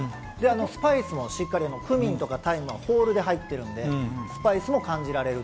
スパイスもクミンとかタイムがホールで入ってるんで、スパイスも感じられる。